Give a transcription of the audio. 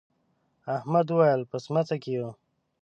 احمد وويل: په سمڅه کې یو.